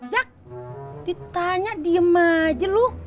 jak ditanya diem aja lu